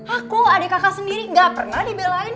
aku adik kakak sendiri gak pernah dibelain